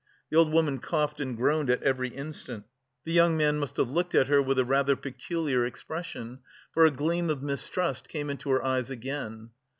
The old woman coughed and groaned at every instant. The young man must have looked at her with a rather peculiar expression, for a gleam of mistrust came into her eyes again.